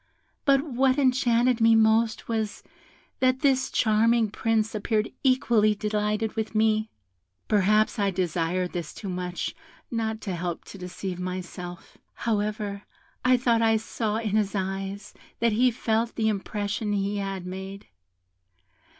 But what enchanted me most was, that this charming Prince appeared equally delighted with me; perhaps I desired this too much not to help to deceive myself. However, I thought I saw in his eyes that he felt the impression he had made.